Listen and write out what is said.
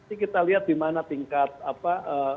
ini kita lihat di mana tingkat apa